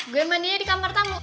gue mania di kamar tamu